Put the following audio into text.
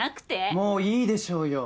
もういいでしょうよ。